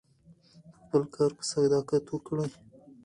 خپل کار په صداقت وکړئ.